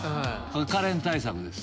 カレン対策です。